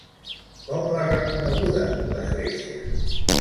Com l'ha reconeguda l'Església?